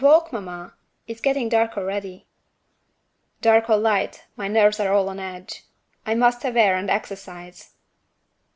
"A walk, mamma? It's getting dark already." "Dark or light, my nerves are all on edge I must have air and exercise."